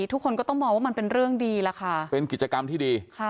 ทุกคนก็ต้องมองว่ามันเป็นเรื่องดีล่ะค่ะเป็นกิจกรรมที่ดีค่ะ